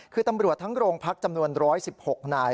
คือตำรวจทั้งโรงพักษณ์จำนวนร้อยสิบหกหน่าย